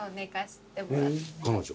彼女。